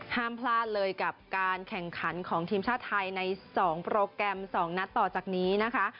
ห้ามพลาดเลยกับการแข่งขันของทีมชาติไทยใน๒โปรแกรม๒นัดต่อจากนี้นะคะ